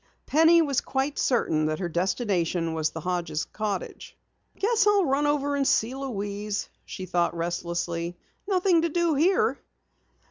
Penny was quite certain that her destination was the Hodges' cottage. "Guess I'll run over and see Louise," she thought restlessly. "Nothing to do here."